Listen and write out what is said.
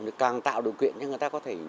thì càng tạo điều kiện cho người ta có thể